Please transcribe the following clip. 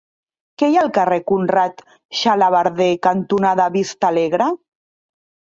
Què hi ha al carrer Conrad Xalabarder cantonada Vistalegre?